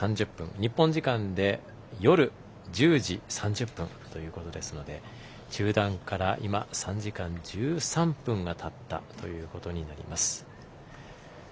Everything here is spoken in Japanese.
日本時間で夜１０時３０分ということですので中断から今３時間１３分がたったということになります。